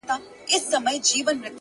ساقي پر ملا را خمه سه پر ملا در مات دی-